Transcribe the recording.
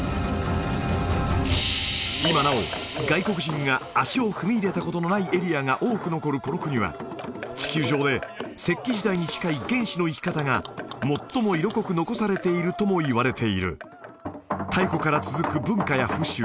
今なお外国人が足を踏み入れたことのないエリアが多く残るこの国は地球上で石器時代に近い原始の生き方が最も色濃く残されているともいわれている太古から続く文化や風習